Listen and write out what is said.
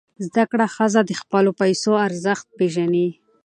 زده کړه ښځه د خپلو پیسو ارزښت پېژني.